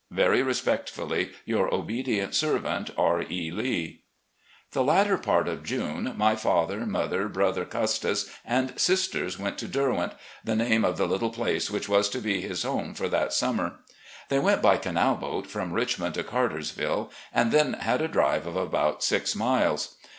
Very respectfully your obedient servant, "R. E. Lee.'' '•'The italics are Dr. Jones's. 174 RECOLLECTIONS OP GENERAL LEE The latter part of June, my father, mother, brother Custis, and sisters went to "Derwent," the name of the little place which was to be his home for that summer. They went by canal boat from Richmond to Cartersville, and then had a drive of about six miles.